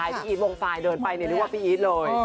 ใครพี่อีทวงภายเดินไปเนี่ยรู้ว่าพี่อีทเลย